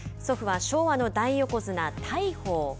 祖父は、昭和の大横綱・大鵬。